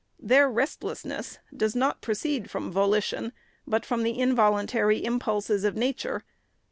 Their restlessness does not proceed from volition, but from the involuntary impulses of nature.